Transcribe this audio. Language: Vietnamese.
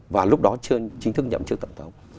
và lúc đó chưa chính thức nhậm chức tổng thống